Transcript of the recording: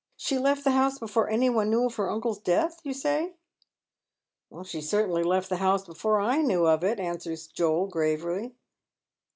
She left the house before any one knew of her uncle's death, you say ?"" She certainly left the bouse before I knew of it," answers Joel, gravely.